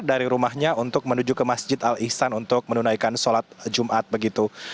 dari rumahnya untuk menuju ke masjid al ihsan untuk menunaikan sholat jumat begitu